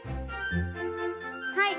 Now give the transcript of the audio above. はい。